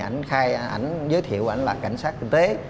anh giới thiệu anh là cảnh sát kinh tế